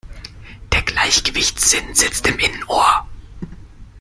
Der Gleichgewichtssinn sitzt im Innenohr.